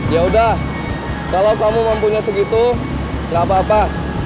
ya udah kalau kamu mempunyai segitu nggak apa apa